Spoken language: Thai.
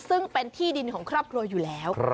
ซึ่งเป็นที่ดินของครอบครัวอยู่แล้ว